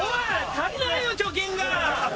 足りないよ貯金が！